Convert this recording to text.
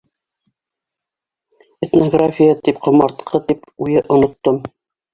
Этнография тип, ҡомартҡы тип, уйы оноттом...